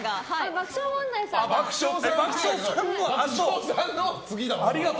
爆笑問題さんが。